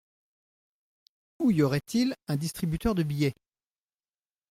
Où y aurait-il un distributeur de billets ?